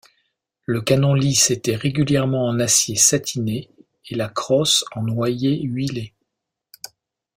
Le canon lisse était régulièrement en acier satiné et la crosse en noyer huilé.